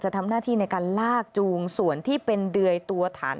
ทำหน้าที่ในการลากจูงส่วนที่เป็นเดือยตัวฐาน